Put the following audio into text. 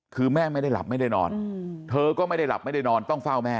คือแม่ไม่ได้หลับไม่ได้นอนเธอก็ไม่ได้หลับไม่ได้นอนต้องเฝ้าแม่